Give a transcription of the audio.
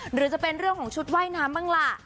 หรือจะเป็นเรื่องของชุดว่ายน้ำบ้างล่ะ